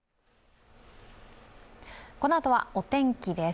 このあとはお天気です。